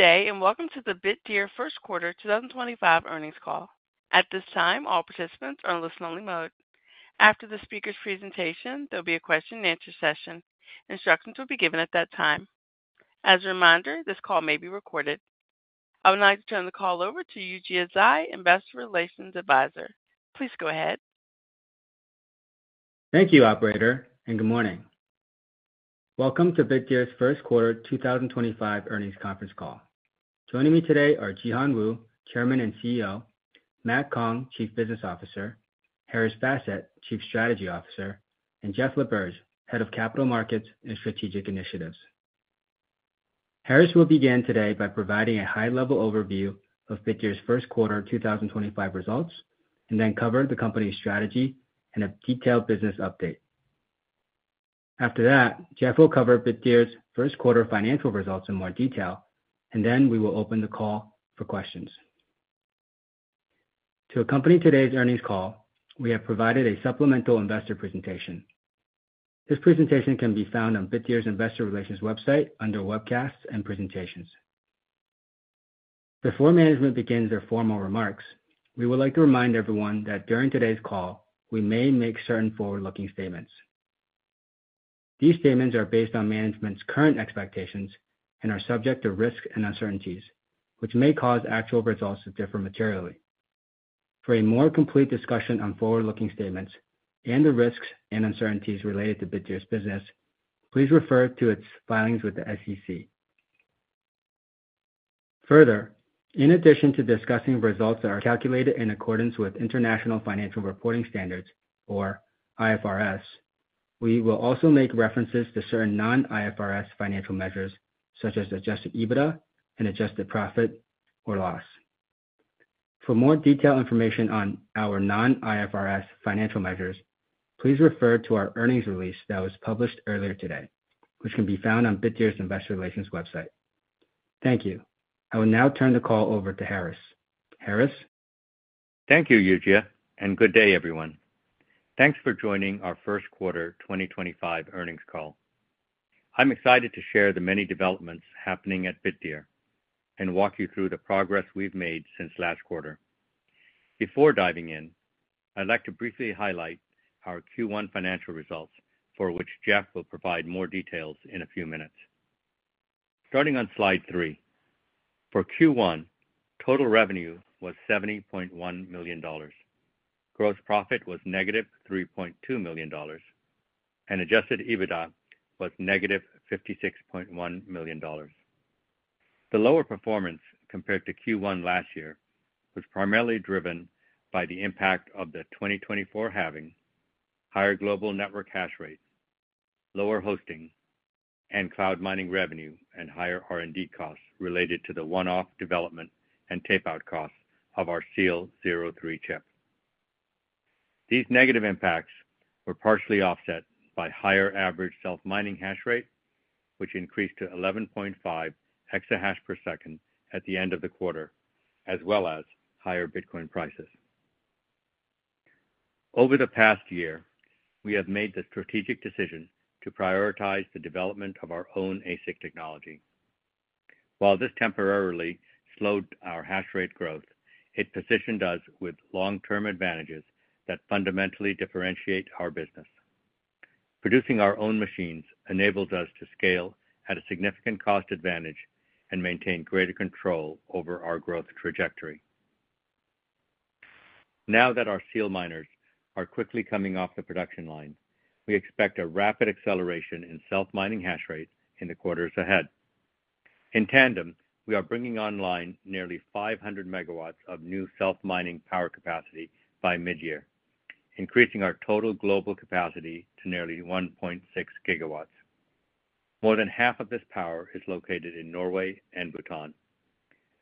Good day, and welcome to the Bitdeer First Quarter 2025 earnings call. At this time, all participants are in listen-only mode. After the speaker's presentation, there'll be a question-and-answer session. Instructions will be given at that time. As a reminder, this call may be recorded. I would like to turn the call over to Yujia Zhai, Investor Relations Advisor. Please go ahead. Thank you, Operator, and good morning. Welcome to Bitdeer's First Quarter 2025 earnings conference call. Joining me today are Jihan Wu, Chairman and CEO; Matt Kong, Chief Business Officer; Haris Basit, Chief Strategy Officer; and Jeff LaBerge, Head of Capital Markets and Strategic Initiatives. Haris will begin today by providing a high-level overview of Bitdeer's First Quarter 2025 results, and then cover the company's strategy and a detailed business update. After that, Jeff will cover Bitdeer's First Quarter financial results in more detail, and then we will open the call for questions. To accompany today's earnings call, we have provided a supplemental investor presentation. This presentation can be found on Bitdeer's Investor Relations website under Webcasts and Presentations. Before management begins their formal remarks, we would like to remind everyone that during today's call, we may make certain forward-looking statements. These statements are based on management's current expectations and are subject to risks and uncertainties, which may cause actual results to differ materially. For a more complete discussion on forward-looking statements and the risks and uncertainties related to Bitdeer's business, please refer to its filings with the SEC. Further, in addition to discussing results that are calculated in accordance with International Financial Reporting Standards, or IFRS, we will also make references to certain non-IFRS financial measures, such as adjusted EBITDA and adjusted profit or loss. For more detailed information on our non-IFRS financial measures, please refer to our earnings release that was published earlier today, which can be found on Bitdeer's Investor Relations website. Thank you. I will now turn the call over to Haris. Haris? Thank you, Yujia, and good day, everyone. Thanks for joining our First Quarter 2025 earnings call. I'm excited to share the many developments happening at Bitdeer and walk you through the progress we've made since last quarter. Before diving in, I'd like to briefly highlight our Q1 financial results, for which Jeff will provide more details in a few minutes. Starting on slide three, for Q1, total revenue was $70.1 million, gross profit was negative $3.2 million, and adjusted EBITDA was negative $56.1 million. The lower performance compared to Q1 last year was primarily driven by the impact of the 2024 halving, higher global network hash rate, lower hosting, and cloud mining revenue, and higher R&D costs related to the one-off development and tape-out costs of our SEAL 03 chip. These negative impacts were partially offset by higher average self-mining hash rate, which increased to 11.5 EH/s at the end of the quarter, as well as higher Bitcoin prices. Over the past year, we have made the strategic decision to prioritize the development of our own ASIC technology. While this temporarily slowed our hash rate growth, it positioned us with long-term advantages that fundamentally differentiate our business. Producing our own machines enables us to scale at a significant cost advantage and maintain greater control over our growth trajectory. Now that our SEAL miners are quickly coming off the production line, we expect a rapid acceleration in self-mining hash rate in the quarters ahead. In tandem, we are bringing online nearly 500 MW of new self-mining power capacity by mid-year, increasing our total global capacity to nearly 1.6 GW. More than half of this power is located in Norway and Bhutan.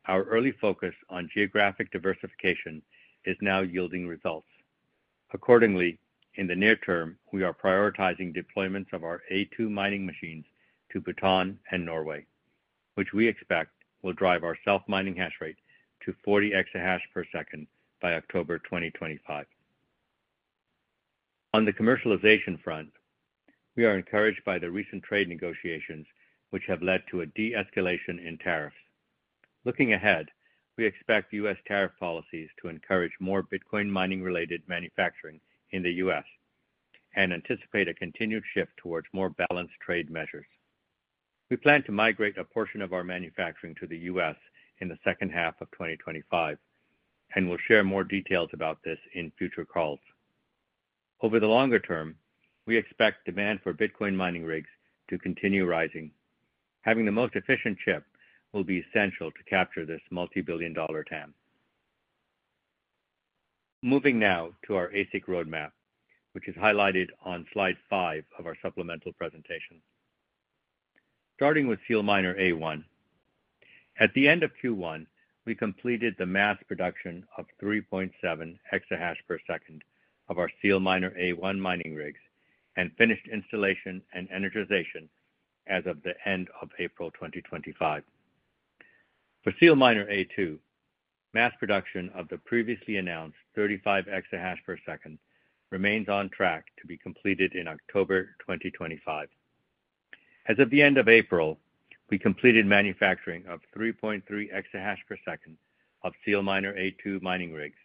Our early focus on geographic diversification is now yielding results. Accordingly, in the near term, we are prioritizing deployments of our A2 mining machines to Bhutan and Norway, which we expect will drive our self-mining hash rate to 40 EH/s by October 2025. On the commercialization front, we are encouraged by the recent trade negotiations, which have led to a de-escalation in tariffs. Looking ahead, we expect U.S. tariff policies to encourage more Bitcoin mining-related manufacturing in the U.S. and anticipate a continued shift towards more balanced trade measures. We plan to migrate a portion of our manufacturing to the U.S. in the second half of 2025, and we'll share more details about this in future calls. Over the longer term, we expect demand for Bitcoin mining rigs to continue rising. Having the most efficient chip will be essential to capture this multi-billion dollar TAM. Moving now to our ASIC roadmap, which is highlighted on slide five of our supplemental presentation. Starting with SEAL miner A1. At the end of Q1, we completed the mass production of 3.7 EH/s of our SEAL miner A1 mining rigs and finished installation and energization as of the end of April 2025. For SEAL miner A2, mass production of the previously announced 35 EH/s remains on track to be completed in October 2025. As of the end of April, we completed manufacturing of 3.3 EH/s of SEAL miner A2 mining rigs,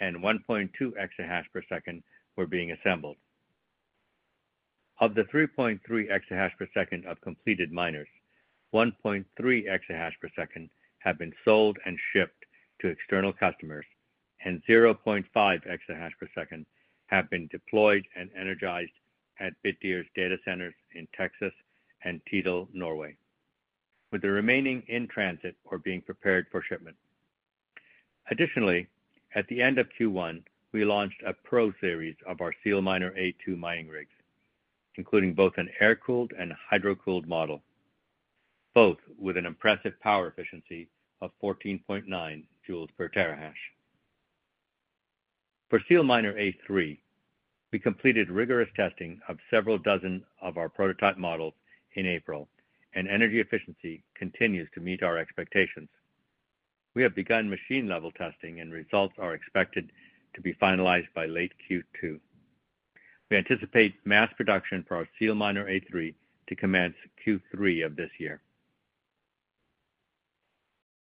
and 1.2 EH/s were being assembled. Of the 3.3 EH/s of completed miners, 1.3 EH/s have been sold and shipped to external customers, and 0.5 EH/s have been deployed and energized at Bitdeer's data centers in Texas and Tidal, Norway, with the remaining in transit or being prepared for shipment. Additionally, at the end of Q1, we launched a Pro series of our SEAL miner A2 mining rigs, including both an air-cooled and hydro-cooled model, both with an impressive power efficiency of 14.9 J/TH. For SEAL miner A3, we completed rigorous testing of several dozen of our prototype models in April, and energy efficiency continues to meet our expectations. We have begun machine-level testing, and results are expected to be finalized by late Q2. We anticipate mass production for our SEAL miner A3 to commence Q3 of this year.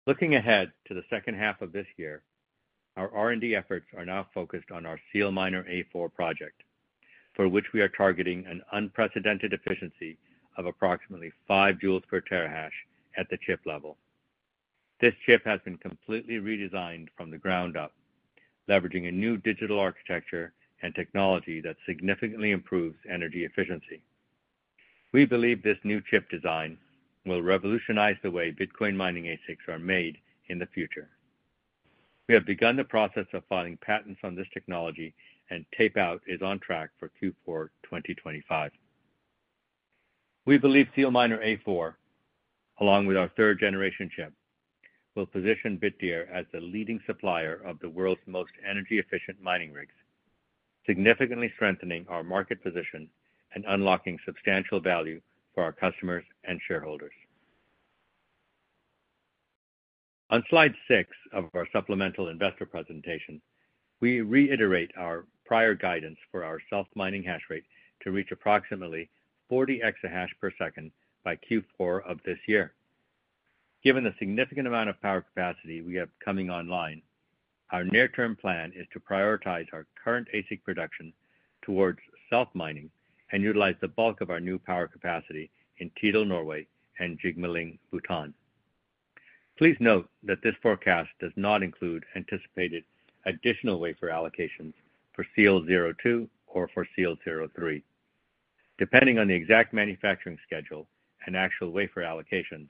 Looking ahead to the second half of this year, our R&D efforts are now focused on our SEAL miner A4 project, for which we are targeting an unprecedented efficiency of approximately 5 J/TH at the chip level. This chip has been completely redesigned from the ground up, leveraging a new digital architecture and technology that significantly improves energy efficiency. We believe this new chip design will revolutionize the way Bitcoin mining ASICs are made in the future. We have begun the process of filing patents on this technology, and tape-out is on track for Q4 2025. We believe SEAL miner A4, along with our third-generation chip, will position Bitdeer as the leading supplier of the world's most energy-efficient mining rigs, significantly strengthening our market position and unlocking substantial value for our customers and shareholders. On slide six of our supplemental investor presentation, we reiterate our prior guidance for our self-mining hash rate to reach approximately 40 EH/s by Q4 of this year. Given the significant amount of power capacity we have coming online, our near-term plan is to prioritize our current ASIC production towards self-mining and utilize the bulk of our new power capacity in Tidal, Norway, and Jigmeling, Bhutan. Please note that this forecast does not include anticipated additional wafer allocations for SEAL miner A2 or for SEAL miner A3. Depending on the exact manufacturing schedule and actual wafer allocations,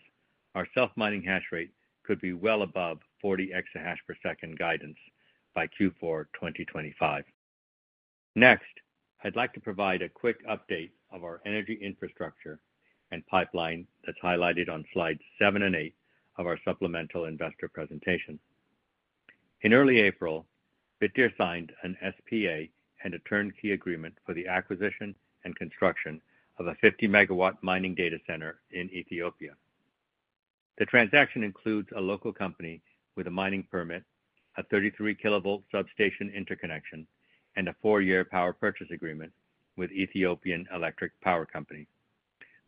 our self-mining hash rate could be well above 40 EH/s guidance by Q4 2025. Next, I'd like to provide a quick update of our energy infrastructure and pipeline that's highlighted on slides seven and eight of our supplemental investor presentation. In early April, Bitdeer signed an SPA and a turnkey agreement for the acquisition and construction of a 50 MW mining data center in Ethiopia. The transaction includes a local company with a mining permit, a 33 kV substation interconnection, and a four-year power purchase agreement with Ethiopian Electric Power Company.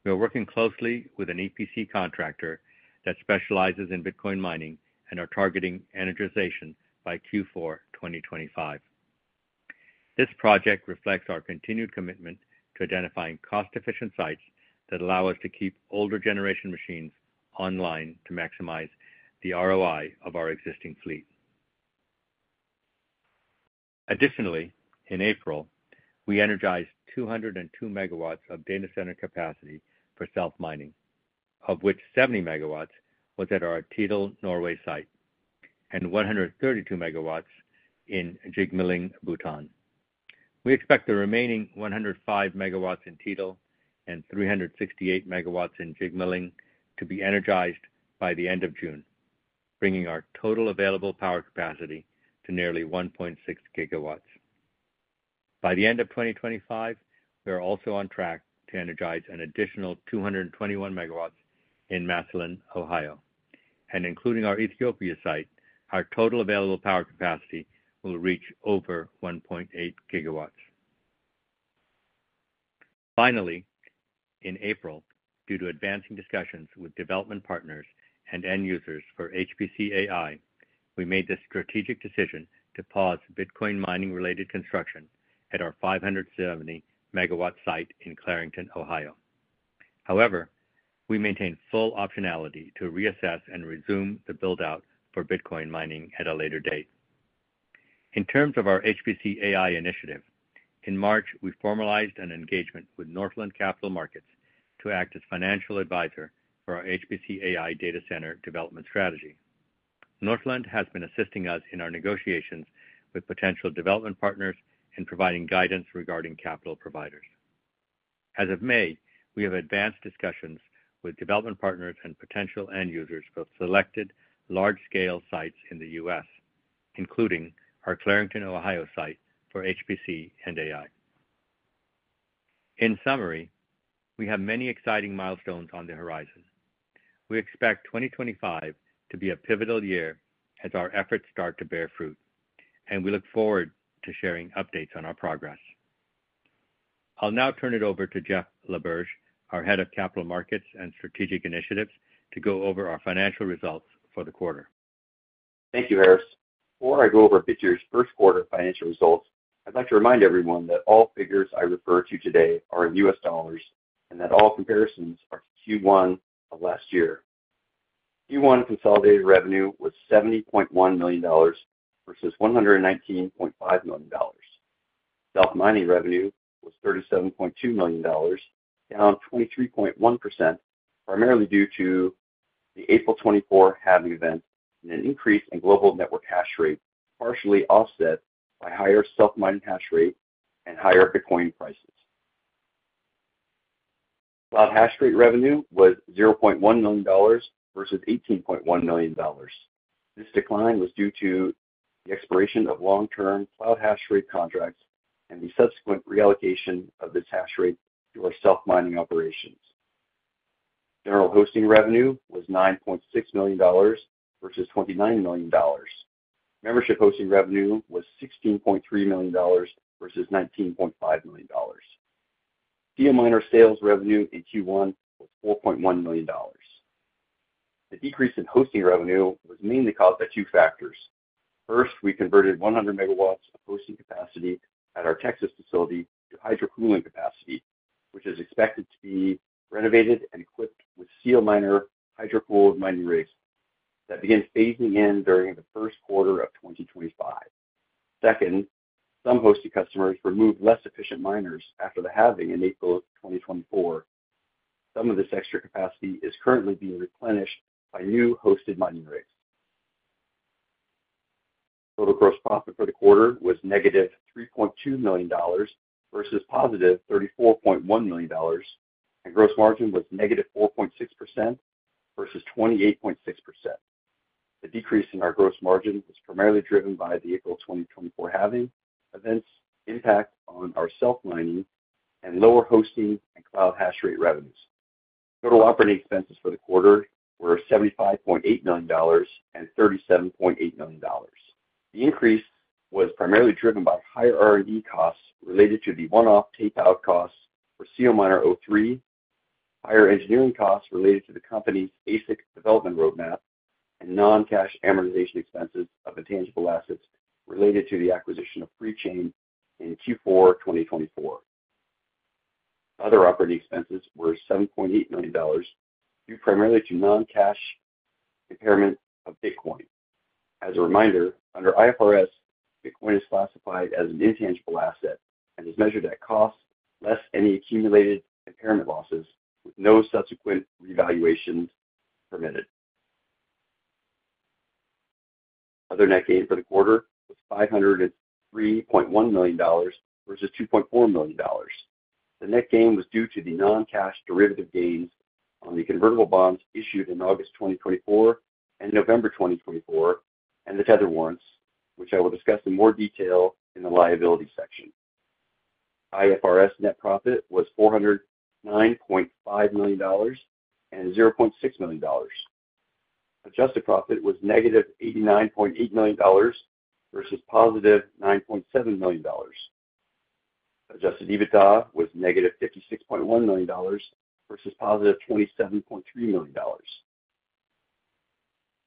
We are working closely with an EPC contractor that specializes in Bitcoin mining and are targeting energization by Q4 2025. This project reflects our continued commitment to identifying cost-efficient sites that allow us to keep older generation machines online to maximize the ROI of our existing fleet. Additionally, in April, we energized 202 MW of data center capacity for self-mining, of which 70 MW was at our Tidal, Norway site, and 132 MW in Jigmeling, Bhutan. We expect the remaining 105 megawatts in Tidal and 368 megawatts in Jigmeling to be energized by the end of June, bringing our total available power capacity to nearly 1.6 gigawatts. By the end of 2025, we are also on track to energize an additional 221 megawatts in Massillon, Ohio, and including our Ethiopia site, our total available power capacity will reach over 1.8 gigawatts. Finally, in April, due to advancing discussions with development partners and end users for HPC AI, we made the strategic decision to pause Bitcoin mining-related construction at our 570-megawatt site in Clarington, Ohio. However, we maintain full optionality to reassess and resume the build-out for Bitcoin mining at a later date. In terms of our HPC AI initiative, in March, we formalized an engagement with Northland Capital Markets to act as financial advisor for our HPC AI data center development strategy. Northland has been assisting us in our negotiations with potential development partners and providing guidance regarding capital providers. As of May, we have advanced discussions with development partners and potential end users for selected large-scale sites in the U.S., including our Clarington, Ohio site for HPC and AI. In summary, we have many exciting milestones on the horizon. We expect 2025 to be a pivotal year as our efforts start to bear fruit, and we look forward to sharing updates on our progress. I'll now turn it over to Jeff LaBerge, our Head of Capital Markets and Strategic Initiatives, to go over our financial results for the quarter. Thank you, Haris. Before I go over Bitdeer's first quarter financial results, I'd like to remind everyone that all figures I refer to today are in U.S. dollars and that all comparisons are to Q1 of last year. Q1 consolidated revenue was $70.1 million versus $119.5 million. Self-mining revenue was $37.2 million, down 23.1%, primarily due to the April 2024 halving event and an increase in global network hash rate, partially offset by higher self-mining hash rate and higher Bitcoin prices. Cloud hash rate revenue was $0.1 million versus $18.1 million. This decline was due to the expiration of long-term cloud hash rate contracts and the subsequent reallocation of this hash rate to our self-mining operations. General hosting revenue was $9.6 million versus $29 million. Membership hosting revenue was $16.3 million versus $19.5 million. SEAL miner sales revenue in Q1 was $4.1 million. The decrease in hosting revenue was mainly caused by two factors. First, we converted 100 MW of hosting capacity at our Texas facility to hydro-cooling capacity, which is expected to be renovated and equipped with SEAL miner hydro-cooled mining rigs that begin phasing in during the first quarter of 2025. Second, some hosting customers removed less efficient miners after the halving in April of 2024. Some of this extra capacity is currently being replenished by new hosted mining rigs. Total gross profit for the quarter was negative $3.2 million versus positive $34.1 million, and gross margin was negative 4.6% versus 28.6%. The decrease in our gross margin was primarily driven by the April 2024 halving event's impact on our self-mining and lower hosting and cloud hash rate revenues. Total operating expenses for the quarter were $75.8 million and $37.8 million. The increase was primarily driven by higher R&D costs related to the one-off tape-out costs for SEAL miner 03, higher engineering costs related to the company's ASIC development roadmap, and non-cash amortization expenses of intangible assets related to the acquisition of PreChain in Q4 2024. Other operating expenses were $7.8 million, due primarily to non-cash impairment of Bitcoin. As a reminder, under IFRS, Bitcoin is classified as an intangible asset and is measured at cost less any accumulated impairment losses, with no subsequent revaluations permitted. Other net gain for the quarter was $503.1 million versus $2.4 million. The net gain was due to the non-cash derivative gains on the convertible bonds issued in August 2024 and November 2024, and the tether warrants, which I will discuss in more detail in the liability section. IFRS net profit was $409.5 million and $0.6 million. Adjusted profit was negative $89.8 million versus positive $9.7 million. Adjusted EBITDA was negative $56.1 million versus positive $27.3 million.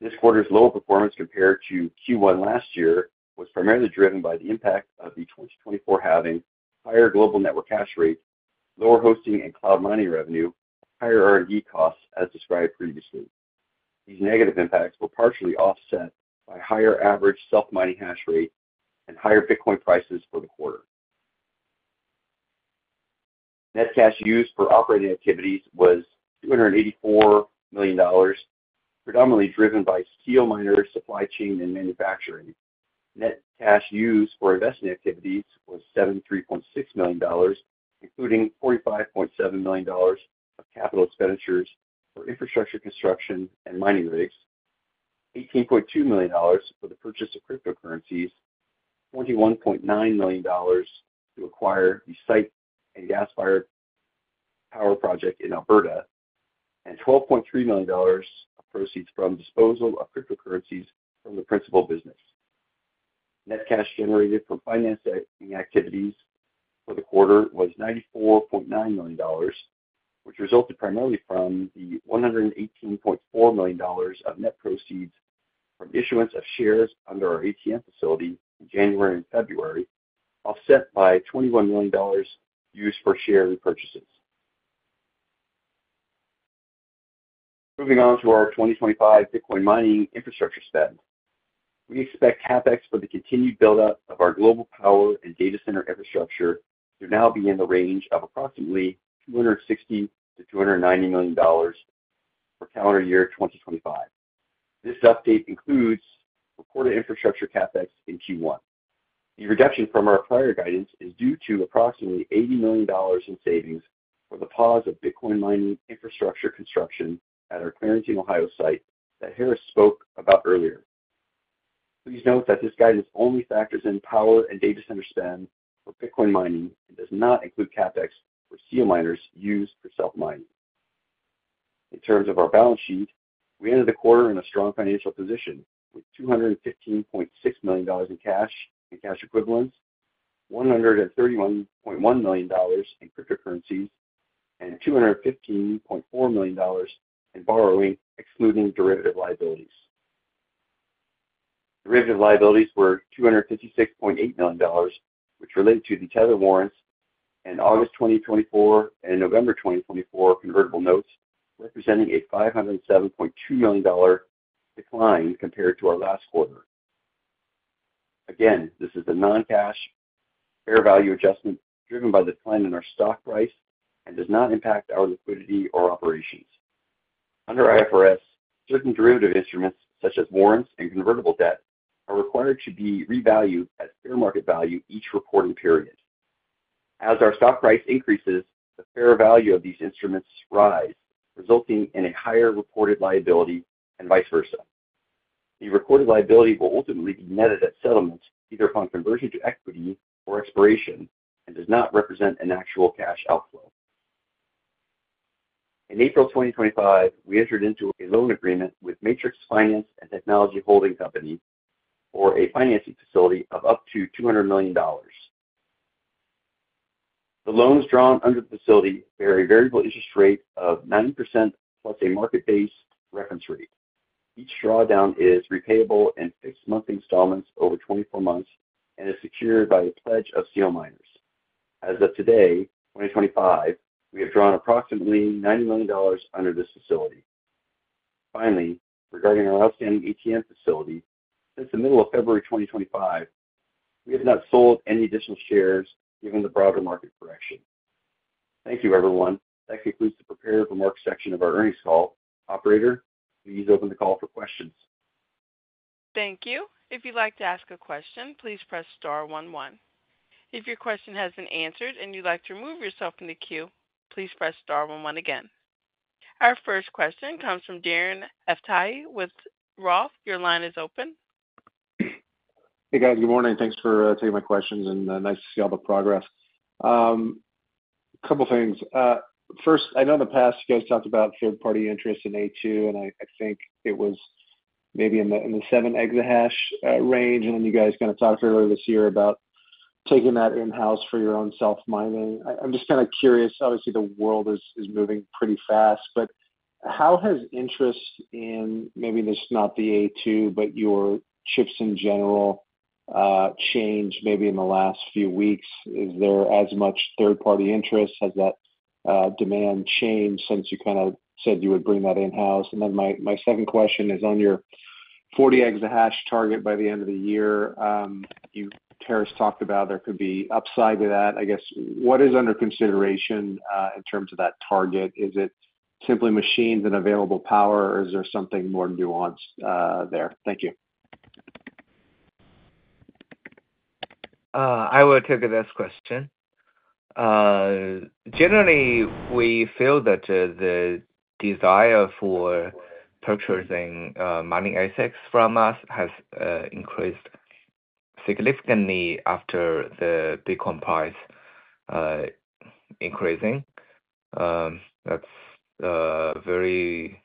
This quarter's lower performance compared to Q1 last year was primarily driven by the impact of the 2024 halving, higher global network hash rate, lower hosting and cloud mining revenue, and higher R&D costs, as described previously. These negative impacts were partially offset by higher average self-mining hash rate and higher Bitcoin prices for the quarter. Net cash used for operating activities was $284 million, predominantly driven by SEAL miner supply chain and manufacturing. Net cash used for investment activities was $73.6 million, including $45.7 million of capital expenditures for infrastructure construction and mining rigs, $18.2 million for the purchase of cryptocurrencies, $21.9 million to acquire the site and gas-fired power project in Alberta, and $12.3 million of proceeds from disposal of cryptocurrencies from the principal business. Net cash generated from financing activities for the quarter was $94.9 million, which resulted primarily from the $118.4 million of net proceeds from issuance of shares under our ATM facility in January and February, offset by $21 million used for share repurchases. Moving on to our 2025 Bitcoin mining infrastructure spend, we expect CapEx for the continued build-out of our global power and data center infrastructure to now be in the range of approximately $260-$290 million for calendar year 2025. This update includes recorded infrastructure CapEx in Q1. The reduction from our prior guidance is due to approximately $80 million in savings for the pause of Bitcoin mining infrastructure construction at our Clarington, Ohio site that Haris spoke about earlier. Please note that this guidance only factors in power and data center spend for Bitcoin mining and does not include CapEx for SEAL miners used for self-mining. In terms of our balance sheet, we entered the quarter in a strong financial position with $215.6 million in cash and cash equivalents, $131.1 million in cryptocurrencies, and $215.4 million in borrowing, excluding derivative liabilities. Derivative liabilities were $256.8 million, which related to the tether warrants and August 2024 and November 2024 convertible notes, representing a $507.2 million decline compared to our last quarter. Again, this is a non-cash fair value adjustment driven by the decline in our stock price and does not impact our liquidity or operations. Under IFRS, certain derivative instruments, such as warrants and convertible debt, are required to be revalued at fair market value each reporting period. As our stock price increases, the fair value of these instruments rises, resulting in a higher reported liability and vice versa. The recorded liability will ultimately be netted at settlement, either upon conversion to equity or expiration, and does not represent an actual cash outflow. In April 2025, we entered into a loan agreement with Matrix Finance and Technology Holding Company for a financing facility of up to $200 million. The loans drawn under the facility bear a variable interest rate of 9% plus a market-based reference rate. Each drawdown is repayable in fixed monthly installments over 24 months and is secured by the pledge of SEAL miners. As of today, 2025, we have drawn approximately $90 million under this facility. Finally, regarding our outstanding ATM facility, since the middle of February 2025, we have not sold any additional shares given the broader market correction. Thank you, everyone. That concludes the prepared remarks section of our earnings call. Operator, please open the call for questions. Thank you. If you'd like to ask a question, please press star 11. If your question hasn't been answered and you'd like to remove yourself from the queue, please press star 11 again. Our first question comes from Darren Aftahi with ROTH. Your line is open. Hey, guys. Good morning. Thanks for taking my questions, and nice to see all the progress. A couple of things. First, I know in the past you guys talked about third-party interest in A2, and I think it was maybe in the 7 exahash range. Then you guys kind of talked earlier this year about taking that in-house for your own self-mining. I'm just kind of curious. Obviously, the world is moving pretty fast, but how has interest in maybe just not the A2, but your chips in general changed maybe in the last few weeks? Is there as much third-party interest? Has that demand changed since you kind of said you would bring that in-house? My second question is, on your 40 exahash target by the end of the year, Haris talked about there could be upside to that. I guess, what is under consideration in terms of that target? Is it simply machines and available power, or is there something more nuanced there? Thank you. I will take this question. Generally, we feel that the desire for purchasing mining assets from us has increased significantly after the Bitcoin price increasing. That's very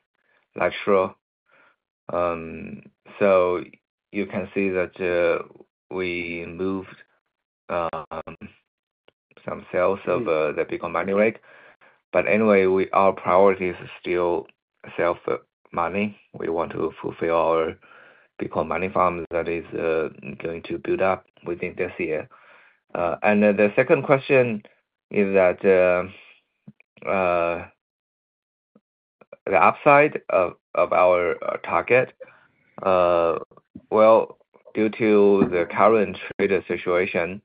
natural. You can see that we moved some sales of the Bitcoin mining rig. But anyway, our priority is still self-mining. We want to fulfill our Bitcoin mining farm that is going to build up within this year. And the second question is that the upside of our target, due to the current trader situation,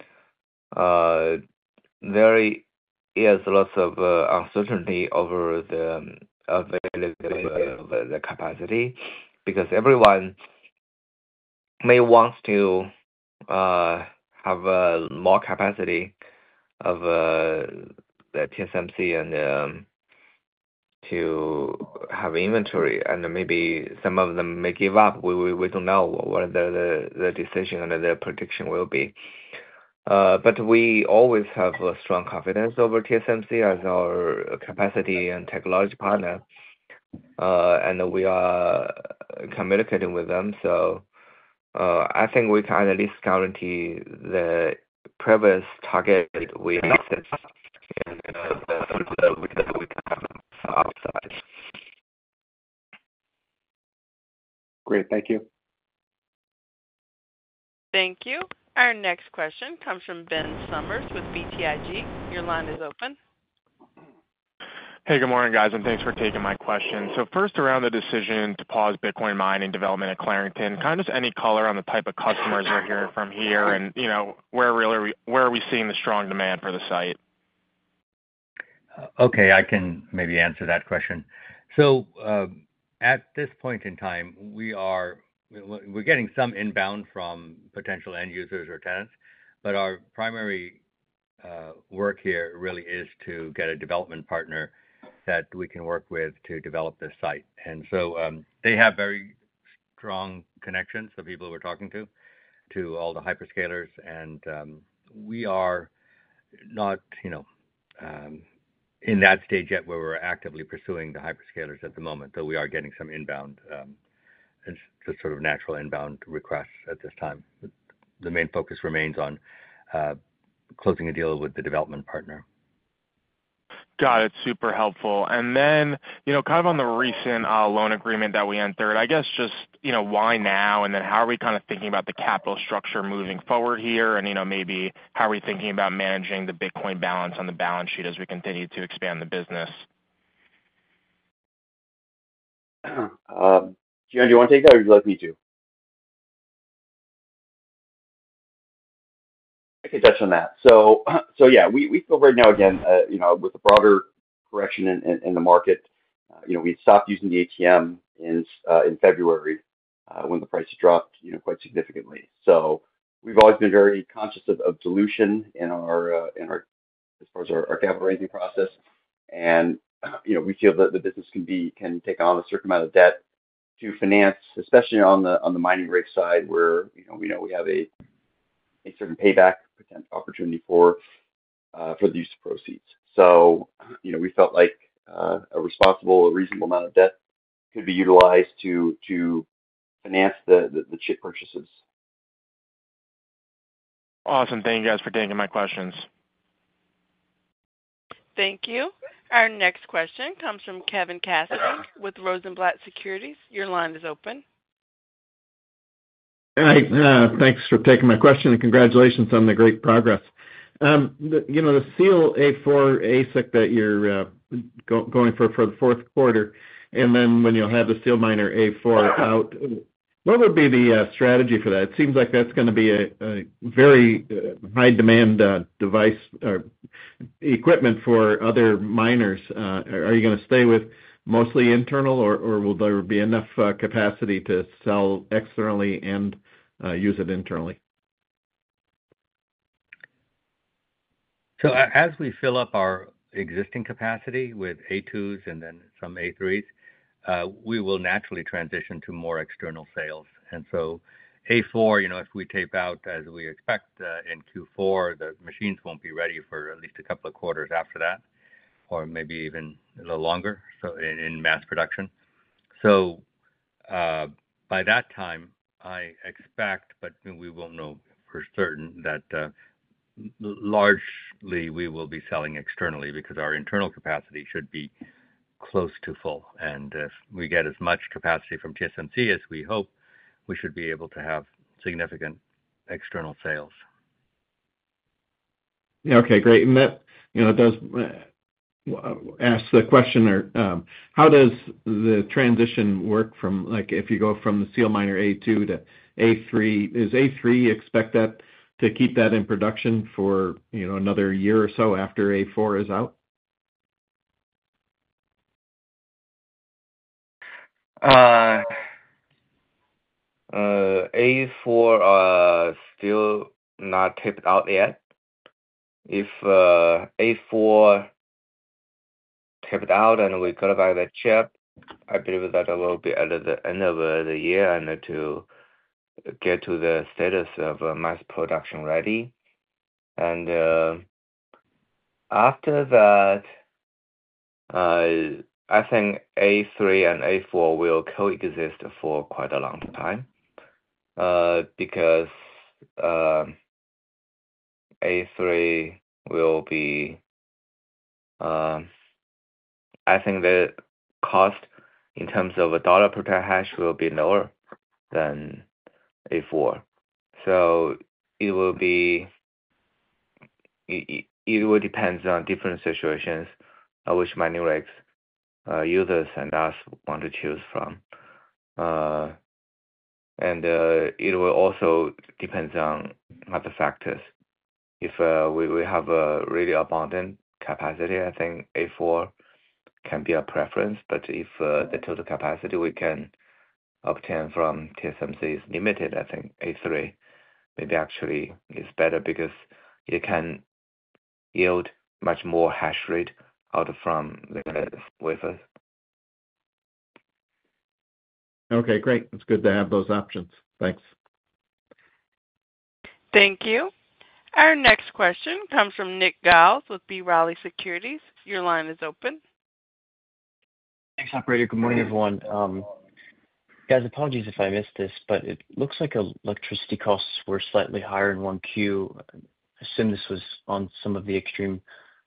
there is lots of uncertainty over the availability of the capacity because everyone may want to have more capacity of the TSMC and to have inventory. And then maybe some of them may give up. We don't know what the decision and the prediction will be. We always have strong confidence over TSMC as our capacity and technology partner, and we are communicating with them. So I think we can at least guarantee the previous target we announced and that we can have some upside. Great. Thank you. Thank you. Our next question comes from Ben Summers with BTIG. Your line is open. Hey, good morning, guys, and thanks for taking my question. So first, around the decision to pause Bitcoin mining development at Clarington, kind of just any color on the type of customers we're hearing from here and where are we seeing the strong demand for the site? Okay. I can maybe answer that question. At this point in time, we're getting some inbound from potential end users or tenants, but our primary work here really is to get a development partner that we can work with to develop this site. And so they have very strong connections, the people we're talking to, to all the hyperscalers. We are not in that stage yet where we're actively pursuing the hyperscalers at the moment. Though we are getting some inbound and just sort of natural inbound requests at this time. The main focus remains on closing a deal with the development partner. Got it. Super helpful. And then kind of on the recent loan agreement that we entered, I guess just why now, and then how are we kind of thinking about the capital structure moving forward here, and maybe how are we thinking about managing the Bitcoin balance on the balance sheet as we continue to expand the business? Jihan, do you want to take that, or would you like me to? I can touch on that. Yeah, we feel right now with the broader correction in the market, we stopped using the ATM in February when the price dropped quite significantly. So we have always been very conscious of dilution as far as our capital raising process. And we feel that the business can take on a certain amount of debt to finance, especially on the mining rig side where we know we have a certain payback opportunity for the use of proceeds. So we felt like a responsible, reasonable amount of debt could be utilized to finance the chip purchases. Awesome. Thank you guys for taking my questions. Thank you. Our next question comes from Kevin Cassidy with Rosenblatt Securities. Your line is open. Hi. Thanks for taking my question and congratulations on the great progress. The SEAL A4 ASIC that you're going for for the fourth quarter, and then when you'll have the SEAL miner A4 out, what would be the strategy for that? It seems like that's going to be a very high-demand device or equipment for other miners. Are you going to stay with mostly internal, or will there be enough capacity to sell externally and use it internally? As we fill up our existing capacity with A2s and then some A3s, we will naturally transition to more external sales. And so A4, if we tape out as we expect in Q4, the machines will not be ready for at least a couple of quarters after that or maybe even a little longer in mass production. So by that time, I expect, but we will not know for certain, that largely we will be selling externally because our internal capacity should be close to full. And if we get as much capacity from TSMC as we hope, we should be able to have significant external sales. Yeah. Okay. Great. That does ask the question, how does the transition work from if you go from the SEAL miner A2 to A3? Does A3 expect to keep that in production for another year or so after A4 is out? A4 is still not taped out yet. If A4 taped out and we go to buy the chip, I believe that will be at the end of the year and to get to the status of mass production ready. And after that, I think A3 and A4 will coexist for quite a long time because A3 will be, I think, the cost in terms of a dollar per hash will be lower than A4. It will depend on different situations of which mining rigs users and us want to choose from. It will also depend on other factors. If we have a really abundant capacity, I think A4 can be our preference. If the total capacity we can obtain from TSMC is limited, I think A3 maybe actually is better because it can yield much more hash rate out from the wafers. Okay. Great. It's good to have those options. Thanks. Thank you. Our next question comes from Nick Giles with B. Riley Securities. Your line is open. Thanks, Operator. Good morning, everyone. Guys, apologies if I missed this, but it looks like electricity costs were slightly higher in Q1. I assume this was on some of the extreme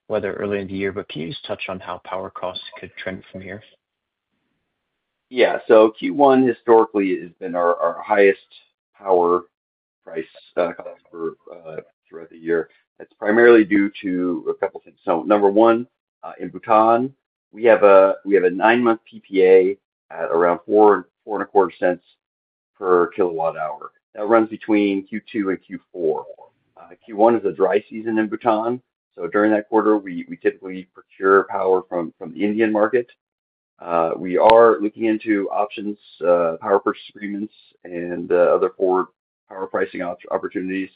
weather early in the year, but can you just touch on how power costs could trend from here? Yeah. Q1 historically has been our highest power price throughout the year. It's primarily due to a couple of things. Number one, in Bhutan, we have a nine-month PPA at around 4.25 cents per kilowatt hour. That runs between Q2 and Q4. Q1 is a dry season in Bhutan. During that quarter, we typically procure power from the Indian market. We are looking into options, power purchase agreements, and other forward power pricing opportunities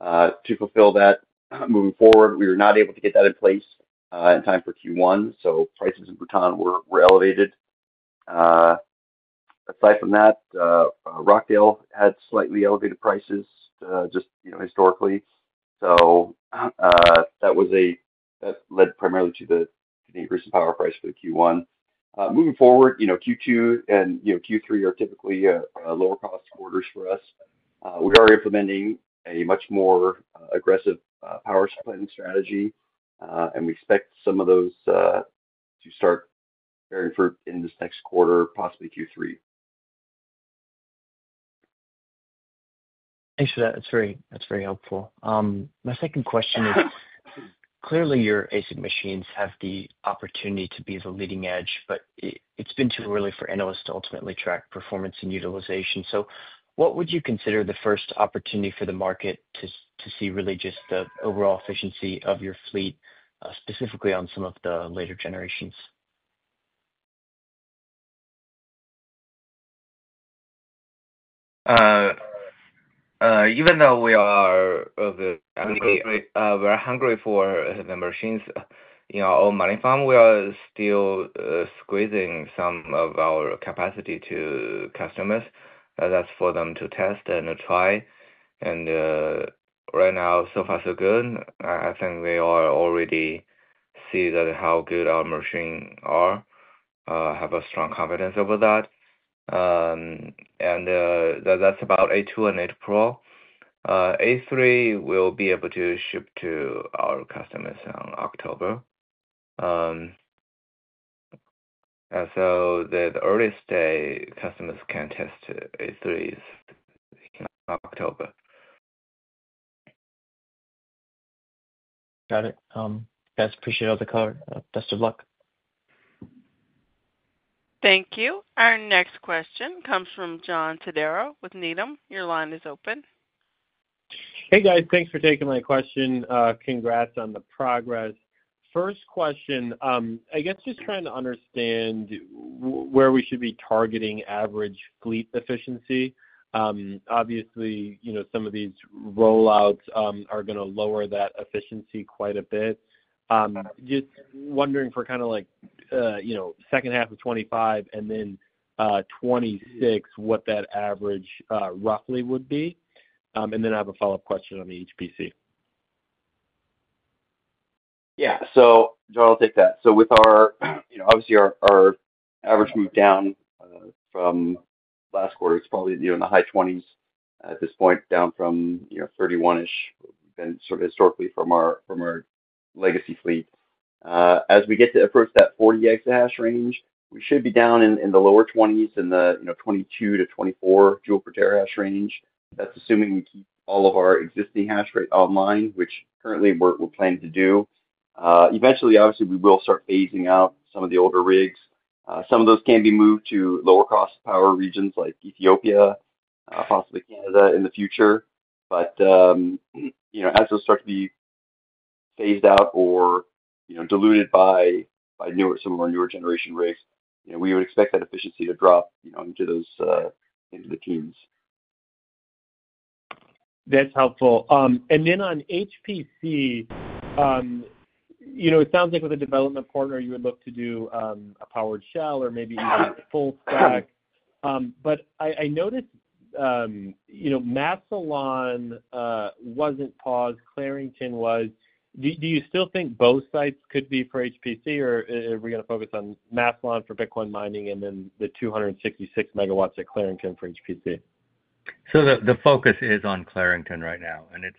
to fulfill that moving forward. We were not able to get that in place in time for Q1, so prices in Bhutan were elevated. Aside from that, Rockdale had slightly elevated prices just historically. So that led primarily to the increase in power price for Q1. Moving forward, Q2 and Q3 are typically lower-cost quarters for us. We are implementing a much more aggressive power supplying strategy, and we expect some of those to start bearing fruit in this next quarter, possibly Q3. Thanks for that. That's very helpful. My second question is, clearly, your ASIC machines have the opportunity to be the leading edge, but it's been too early for analysts to ultimately track performance and utilization. What would you consider the first opportunity for the market to see really just the overall efficiency of your fleet, specifically on some of the later generations? Even though we are hungry for the machines in our own mining farm, we are still squeezing some of our capacity to customers. That is for them to test and try. Right now, so far, so good. I think we all already see how good our machines are. I have a strong confidence over that. And that is about A2 and A2 Pro. A3 will be able to ship to our customers in October. The earliest day customers can test A3 is in October. Got it. Guys, appreciate all the color. Best of luck. Thank you. Our next question comes from John Todaro with Needham. Your line is open. Hey, guys. Thanks for taking my question. Congrats on the progress. First question, I guess just trying to understand where we should be targeting average fleet efficiency. Obviously, some of these rollouts are going to lower that efficiency quite a bit. Just wondering for kind of like second half of 2025 and then 2026, what that average roughly would be. I have a follow-up question on the HPC. Yeah. John, I'll take that. With our, obviously, our average moved down from last quarter. It's probably in the high 20s at this point, down from 31-ish we've been sort of historically from our legacy fleet. As we get to approach that 40 exahash range, we should be down in the lower 20s in the 22-24 joule per terahash range. That's assuming we keep all of our existing hash rate online, which currently we're planning to do. Eventually, obviously, we will start phasing out some of the older rigs. Some of those can be moved to lower-cost power regions like Ethiopia, possibly Canada in the future. As those start to be phased out or diluted by some of our newer generation rigs, we would expect that efficiency to drop into the teens. That's helpful. On HPC, it sounds like with a development partner, you would look to do a powered shell or maybe even a full stack. I noticed Massillon was'nt paused. Clarington was. Do you still think both sites could be for HPC, or are we going to focus on Massillon for Bitcoin mining and then the 266 megawatts at Clarington for HPC? The focus is on Clarington right now. It is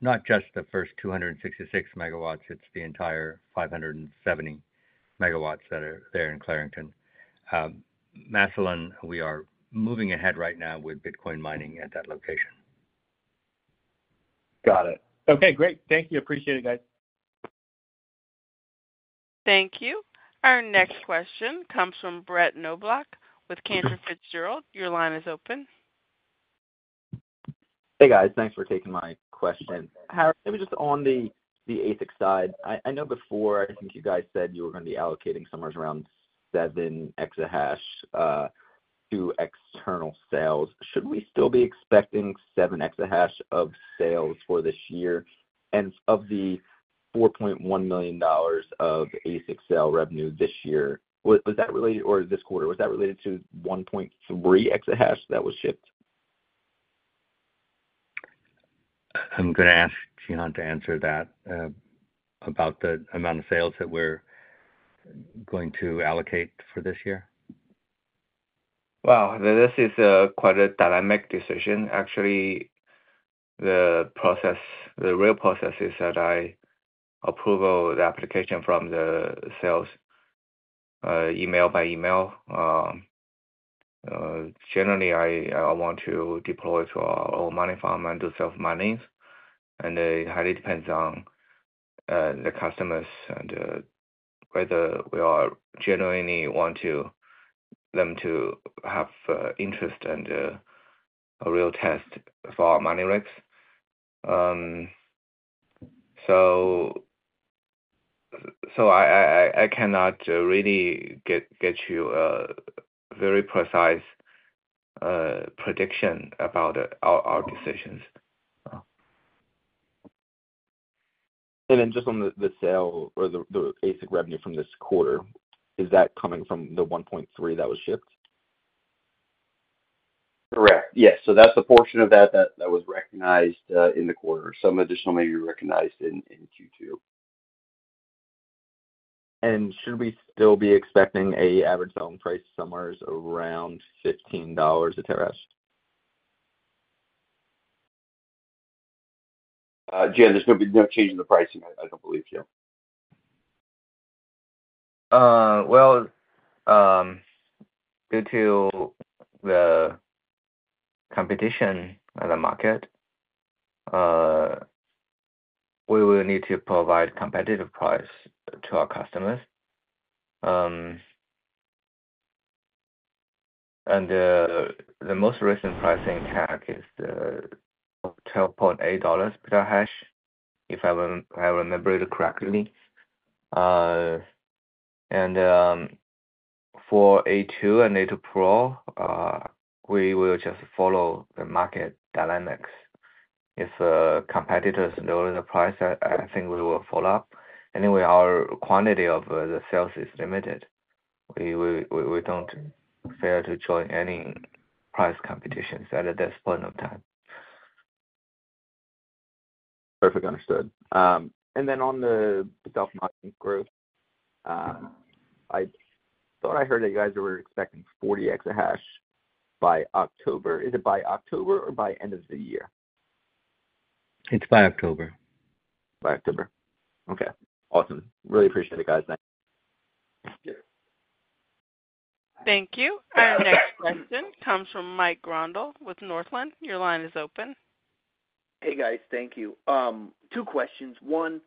not just the first 266 megawatts. It is the entire 570 megawatts that are there in Clarington. Massillon, we are moving ahead right now with Bitcoin mining at that location. Got it. Okay. Great. Thank you. Appreciate it, guys. Thank you. Our next question comes from Brett Knoblauch with Cantor Fitzgerald. Your line is open. Hey, guys. Thanks for taking my question. Haris, maybe just on the ASIC side, I know before, I think you guys said you were going to be allocating somewhere around 7 exahash to external sales. Should we still be expecting 7 exahash of sales for this year and of the $4.1 million of ASIC sale revenue this year? Was that related, or this quarter, was that related to 1.3 exahash that was shipped? I'm going to ask Jihan to answer that about the amount of sales that we're going to allocate for this year. Well this is quite a dynamic decision. Actually, the real process is that I approve the application from the sales email by email. Generally, I want to deploy to our own mining farm and do self-mining. It highly depends on the customers and whether we generally want them to have interest and a real test for our mining rigs. I cannot really get you a very precise prediction about our decisions. And then just on the sale or the ASIC revenue from this quarter, is that coming from the 1.3 that was shipped? Correct. Yes. So that's the portion of that that was recognized in the quarter. Some additional may be recognized in Q2. And should we still be expecting an average selling price somewhere around $15 a terahash? Jihan, there's no change in the pricing. I don't believe so. Well due to the competition in the market, we will need to provide a competitive price to our customers. The most recent pricing tag is $12.8 per hash, if I remember it correctly. And for A2 and A2 Pro, we will just follow the market dynamics. If competitors lower the price, I think we will follow up. Anyway, our quantity of the sales is limited. We dont fail to join any price competitions at this point of time. Perfect. Understood. Then on the self-mining growth, I thought I heard that you guys were expecting 40 exahash by October. Is it by October or by end of the year? It's by October. By October. Okay. Awesome. Really appreciate it, guys. Thanks. Thank you. Our next question comes from Mike Grondahl with Northland. Your line is open. Hey, guys. Thank you. Two questions. One,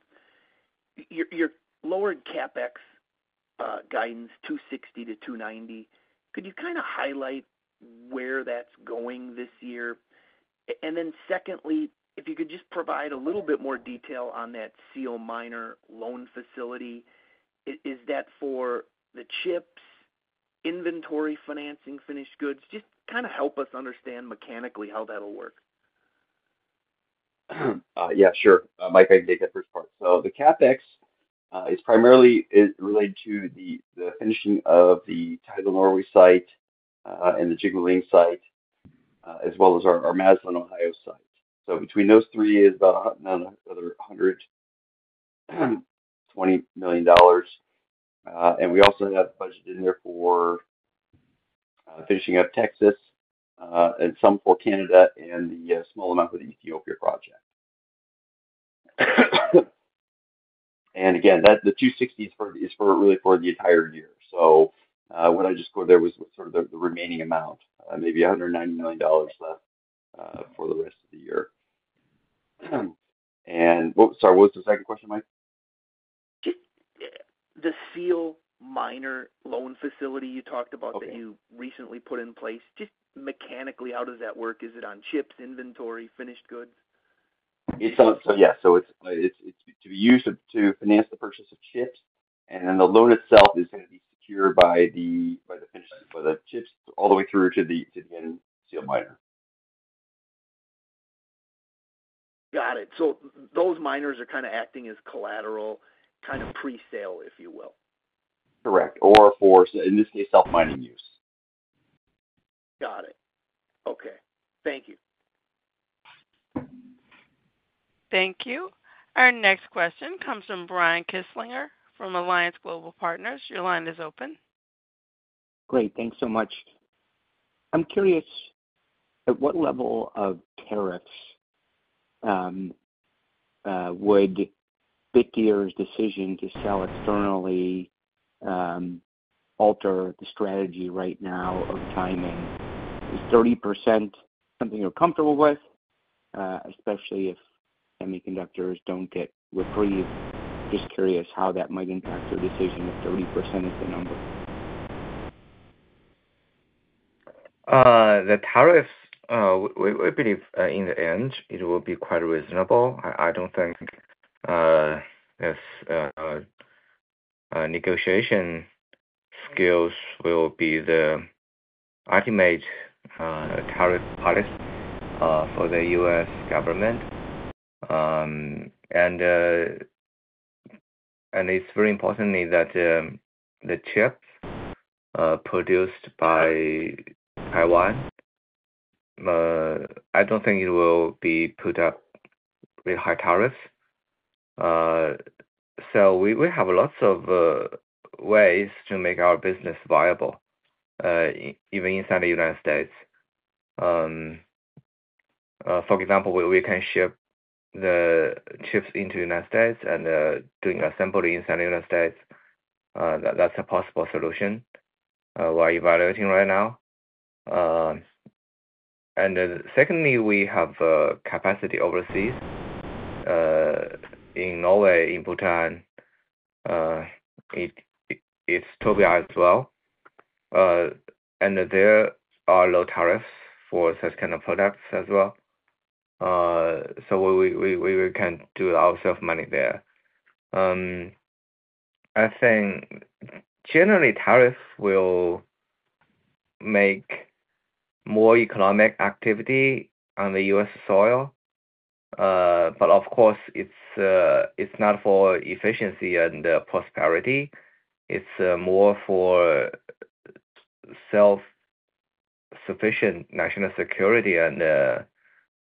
your lowered CapEx guidance, $260 million-$290 million, could you kind of highlight where that's going this year? And then secondly, if you could just provide a little bit more detail on that SEAL miner loan facility. Is that for the chips, inventory financing, finished goods? Just kind of help us understand mechanically how that'll work. Yeah. Sure. Mike, I can take that first part. The CapEx is primarily related to the finishing of the Tidal, Norway site and the Jigmeling site, as well as our Massillon, Ohio site. Between those three is about another $120 million. We also have budgeted in there for finishing up Texas and some for Canada and a small amount for the Ethiopia project. Again, the $260 million is really for the entire year. What I just scored there was sort of the remaining amount, maybe $190 million left for the rest of the year. Sorry, what was the second question, Mike? The SEAL miner loan facility you talked about that you recently put in place, just mechanically, how does that work? Is it on chips, inventory, finished goods? Yeah. It is to be used to finance the purchase of chips. The loan itself is going to be secured by the chips all the way through to the end SEAL miner. Got it. So those miners are kind of acting as collateral, kind of pre-sale, if you will? Correct. Or, for, in this case, self-mining use. Got it. Okay. Thank you. Thank you. Our next question comes from Brian Kinstlinger from Alliance Global Partners. Your line is open. Great. Thanks so much. I'm curious, at what level of tariffs would Bitdeer's decision to sell externally alter the strategy right now of timing? Is 30% something you're comfortable with, especially if semiconductors don't get reprieved? Just curious how that might impact your decision if 30% is the number. The tariffs, we believe in the end, it will be quite reasonable. I dont think negotiation skills will be the ultimate tariff policy for the U.S. government. It is very important that the chips produced by Taiwan, I do not think it will be put up with high tariffs. We have lots of ways to make our business viable, even inside the United States. For example, we can ship the chips into the United States and do assembly inside the United States. That is a possible solution we are evaluating right now. Secondly, we have capacity overseas. In Norway, in Bhutan, it is Tobii as well. There are low tariffs for such kind of products as well. So we can do our self-mining there. I think generally tariffs will make more economic activity on the U.S. soil. Of course, it is not for efficiency and prosperity. It's more for self-sufficient national security and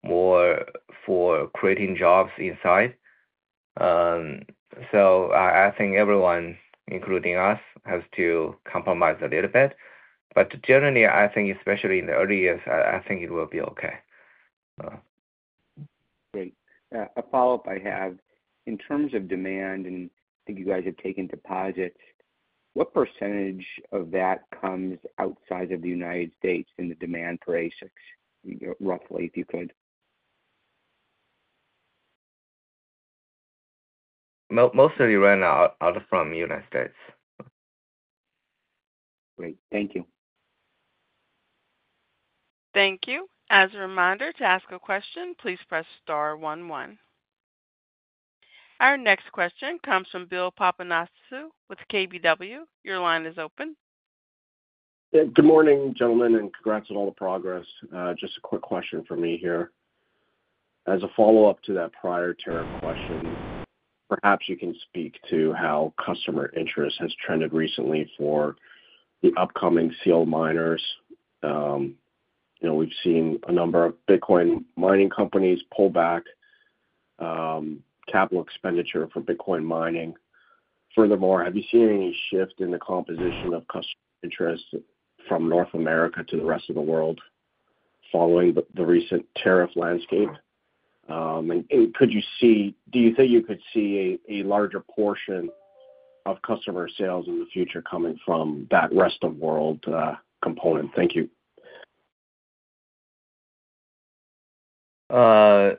more for creating jobs inside. I think everyone, including us, has to compromise a little bit. Generally, I think, especially in the early years, I think it will be okay. Great. A follow-up I have. In terms of demand, and I think you guys have taken deposits, what % of that comes outside of the U.S. in the demand for ASICs, roughly, if you could? Mostly right now out of the U.S. Great. Thank you. Thank you. As a reminder, to ask a question, please press star 1 1. Our next question comes from Bill Papanastasiou with KBW. Your line is open. Good morning, gentlemen, and congrats on all the progress. Just a quick question for me here. As a follow-up to that prior tariff question, perhaps you can speak to how customer interest has trended recently for the upcoming SEAL miners. We've seen a number of Bitcoin mining companies pull back capital expenditure for Bitcoin mining. Furthermore, have you seen any shift in the composition of customer interest from North America to the rest of the world following the recent tariff landscape? Could you see, do you think you could see a larger portion of customer sales in the future coming from that rest of world component? Thank you. On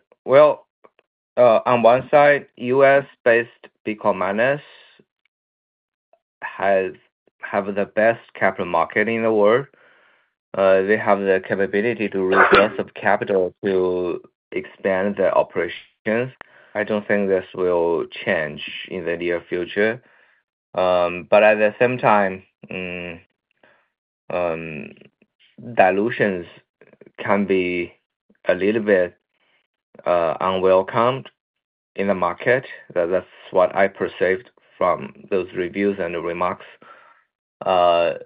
one side, U.S.-based Bitcoin miners have the best capital market in the world. They have the capability to raise lots of capital to expand their operations. I do not think this will change in the near future. At the same time, dilutions can be a little bit unwelcome in the market. That is what I perceived from those reviews and the remarks. I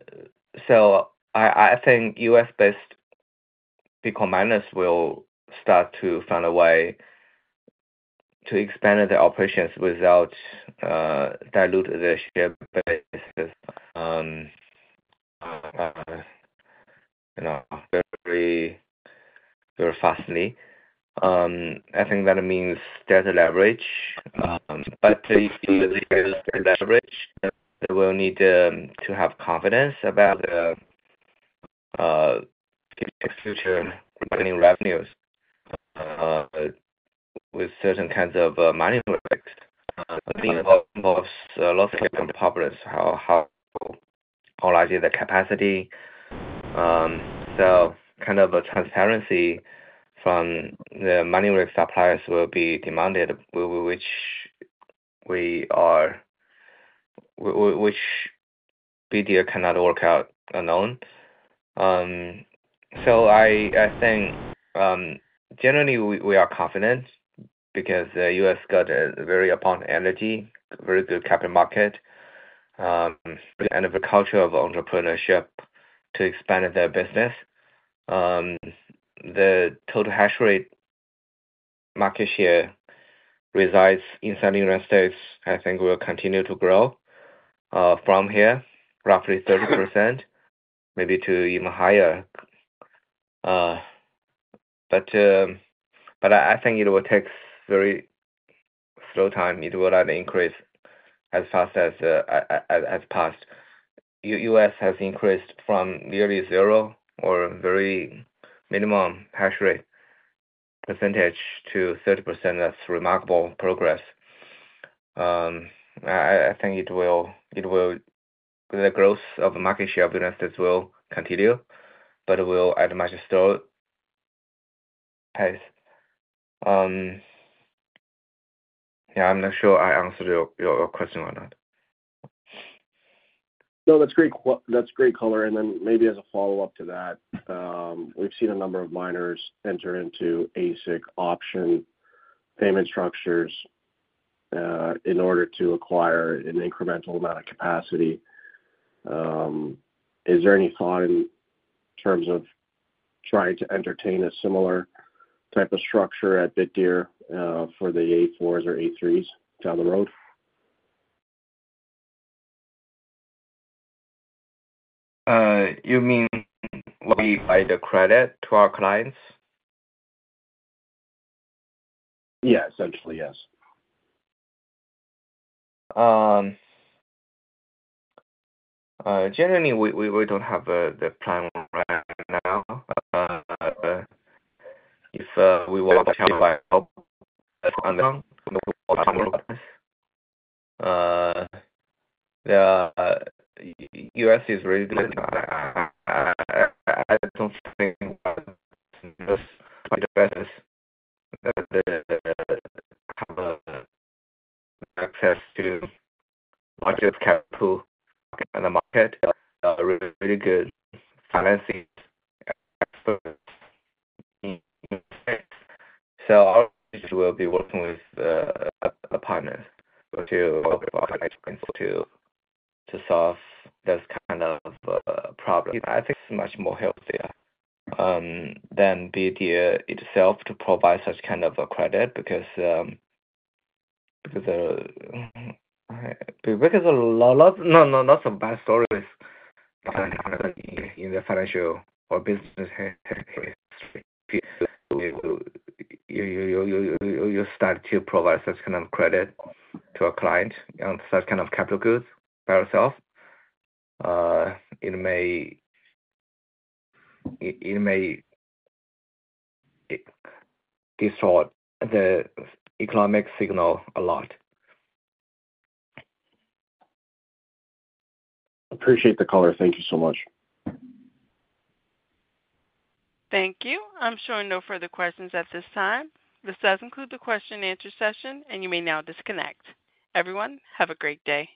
think U.S.-based Bitcoin miners will start to find a way to expand their operations without diluting their share basis very fastly. I think that means there is a leverage. If there is a leverage, they will need to have confidence about the future revenues with certain kinds of mining rigs. I think it involves lots of capital problems, how large is the capacity. Kind of transparency from the mining rig suppliers will be demanded, which Bitdeer cannot work out alone. I think generally we are confident because the U.S. got very abundant energy, very good capital market, and a culture of entrepreneurship to expand their business. The total hash rate market share resides inside the United States, I think will continue to grow from here, roughly 30%, maybe to even higher. I think it will take very slow time. It will not increase as fast as past. U.S. has increased from nearly zero or very minimum hash rate percentage to 30%. That's remarkable progress. I think the growth of the market share of the United States will continue, but it will at a much slower pace. Yeah. I'm not sure I answered your question or not. No, that's great color. Maybe as a follow-up to that, we've seen a number of miners enter into ASIC option payment structures in order to acquire an incremental amount of capacity. Is there any thought in terms of trying to entertain a similar type of structure at Bitdeer for the A4s or A3s down the road? You mean what we buy the credit to our clients? Yeah. Essentially, yes. Generally, we don't have the plan right now. If we want to have a buy-up on the ground, we will talk about this. U.S. is really good. I don't think the U.S. have access to much of capital in the market. They're really good financing experts. We will be working with the partners to solve this kind of problem. I think it's much more healthier than Bitdeer itself to provide such kind of a credit because there are lots of bad stories in the financial or business history. You start to provide such kind of credit to a client on such kind of capital goods by yourself. It may distort the economic signal a lot. Appreciate the color. Thank you so much. Thank you. I'm showing no further questions at this time. This does include the question-and-answer session, and you may now disconnect. Everyone, have a great day.